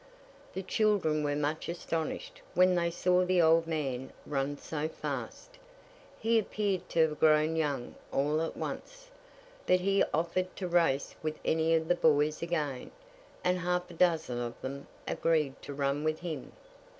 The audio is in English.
The children were much astonished when they saw the old man run so fast. He appeared to have grown young all at once. But he offered to race with any of the boys again; and half a dozen of them agreed to run with him.